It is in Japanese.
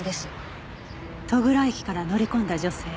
戸倉駅から乗り込んだ女性。